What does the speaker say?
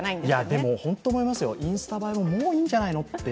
でも、本当に思いますよ、インスタ映えももういいんじゃないのって。